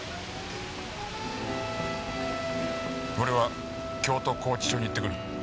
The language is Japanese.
俺は京都拘置所に行ってくる。